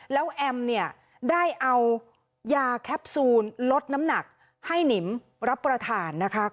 แล้วแอมเนี่ยได้เอายาแคปซูลลดน้ำหนักให้หนิมรับประทานนะคะ